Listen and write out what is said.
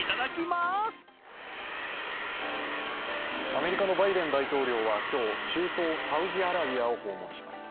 アメリカのバイデン大統領は今日、中東サウジアラビアを訪問します。